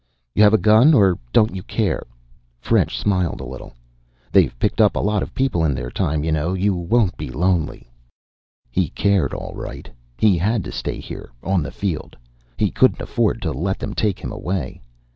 "You have a gun? Or don't you care?" French smiled a little. "They've picked up a lot of people in their time, you know. You won't be lonely." He cared, all right! He had to stay here, on the field. He couldn't afford to let them take him away.